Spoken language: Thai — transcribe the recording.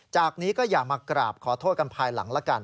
จากนี้ก็อย่ามากราบขอโทษกันภายหลังละกัน